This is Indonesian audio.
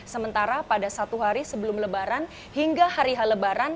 sementara pada satu hari sebelum lebaran hingga hari hal lebaran